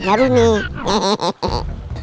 neng yaudah nih